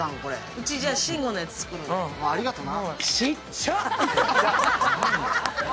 うち、じゃあ慎吾のやつ作るね。ありがとな。